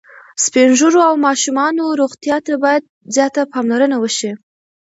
د سپین ږیرو او ماشومانو روغتیا ته باید زیاته پاملرنه وشي.